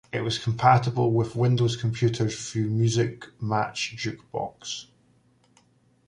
It was compatible with Windows computers through Musicmatch Jukebox.